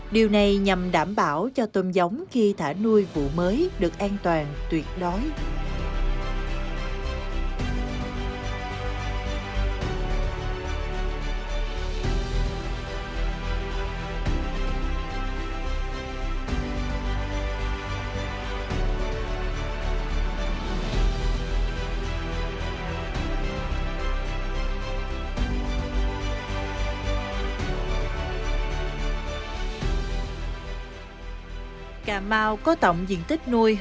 điều này nhằm đảm bảo cho tôm giống khi thả nuôi vụ mới được an toàn tuyệt đối